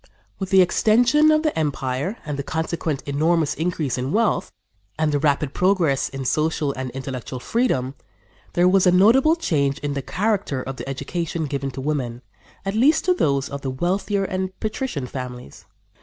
" With the extension of the empire and the consequent enormous increase in wealth and the rapid progress in social and intellectual freedom, there was a notable change in the character of the education given to women, at least to those of the wealthier and patrician families.